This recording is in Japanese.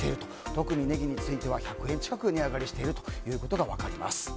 特にネギについては１００円近く値上げしているということが分かります。